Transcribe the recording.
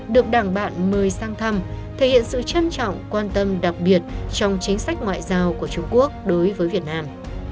được đảng bạn mời sang thăm thể hiện sự trân trọng quan tâm đặc biệt trong chính sách ngoại giao của trung quốc đối với việt nam